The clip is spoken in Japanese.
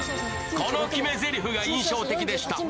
この決めぜりふが印象的でした。